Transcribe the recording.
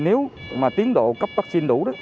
nếu tiến độ cấp vaccine đủ